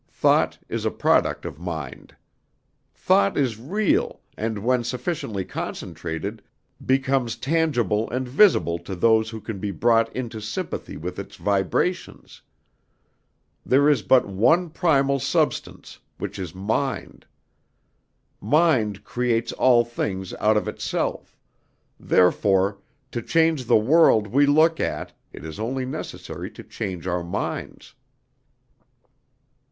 Thought is a product of mind. Thought is real, and, when sufficiently concentrated, becomes tangible and visible to those who can be brought into sympathy with its vibrations. There is but one primal substance, which is mind. Mind creates all things out of itself; therefore, to change the world we look at, it is only necessary to change our minds."